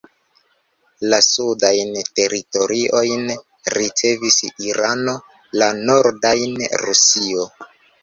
La sudajn teritoriojn ricevis Irano, la nordajn Rusio.